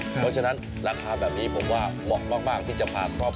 แต่มันจะออกมาตรงที่ว่ามันจะลื่น